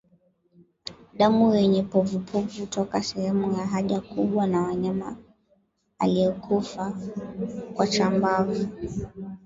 Damu yenye povupovu hutoka sehemu ya haja kubwa kwa mnyama aliyekufa kwa chambavu